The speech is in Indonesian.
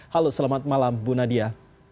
halo selamat malam bu nadia